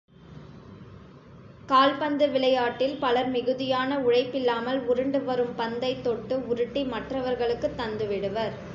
கால்பந்து விளையாட்டில் பலர் மிகுதியான உழைப்பில்லாமல் உருண்டுவரும் பந்தைத் தொட்டு உருட்டி மற்றவர்களுக்குத் தந்துவிடுவர்.